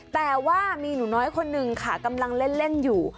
แต่ว่ามีหนูน้อยคนนึงค่ะกำลังเล่นอยู่